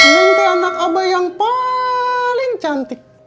minta anak abah yang paling cantik